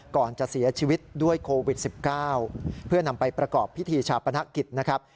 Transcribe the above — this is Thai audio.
ก่อนจะเสียชีวิตด้วยโควิด๑๙เพื่อนำไปประกอบพิธีชาปนกิจนะครับ